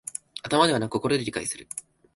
頭ではなく心で理解する